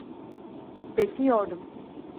Bekliyordum.